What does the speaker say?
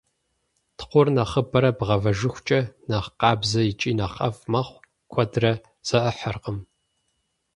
Тхъур нэхъыбэрэ бгъэвэжыхукӏэ, нэхъ къабзэ икӏи нэхъ ӏэфӏ мэхъу, куэдрэ зэӏыхьэркъым.